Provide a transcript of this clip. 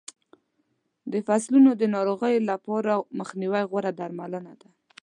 د فصلونو د ناروغیو لپاره مخنیوی غوره درملنه ده.